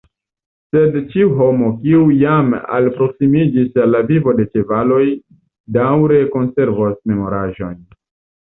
Sed ĉiu homo, kiu jam alproksimiĝis al la vivo de ĉevaloj, daŭre konservos memoraĵojn.